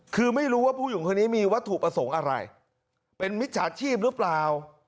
คือไม่รู้ว่าผู้หญิงคนนี้มีวัตถุประสงค์อะไรเป็นมิจฉาชีพหรือเปล่า